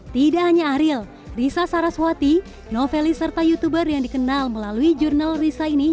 tidak hanya ariel risa saraswati novely serta youtuber yang dikenal melalui jurnal risa ini